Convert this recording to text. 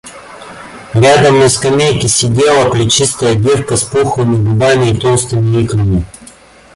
Рядом на скамейке сидела плечистая девка с пухлыми губами и толстыми икрами.